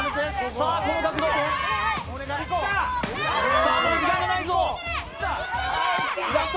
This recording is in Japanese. さあもう時間がないぞ。